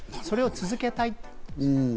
それを続けたい。